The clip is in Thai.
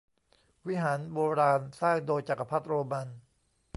วิหารโบราณสร้างโดยจักรพรรดิโรมัน